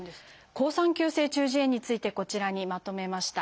好酸球性中耳炎についてこちらにまとめました。